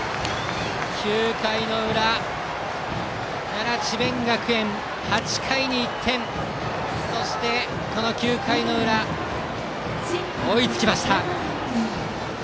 ９回の裏、奈良・智弁学園８回に１点そしてこの９回の裏、追いつきました。